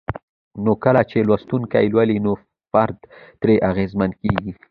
نو کله چې لوستونکي لولي نو فرد ترې اغېزمن کيږي